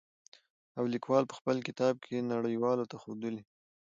او ليکوال په خپل کتاب کې نړۍ والو ته ښودلي.